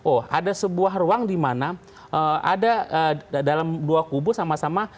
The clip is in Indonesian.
oh ada sebuah ruang di mana ada dalam dua kubu sama sama